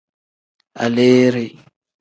Aleere.